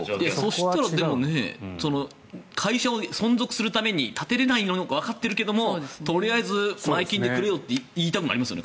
そうしたら、でも会社を存続するために建てれないのがわかっているけどとりあえず前金でくれよって言いたくなりますよね